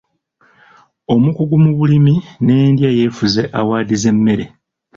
Omukugu mu bulimi n'endya yeefuze awaadi z'emmere.